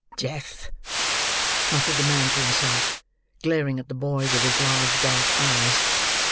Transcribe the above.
"Death!" muttered the man to himself, glaring at the boy with his large dark eyes.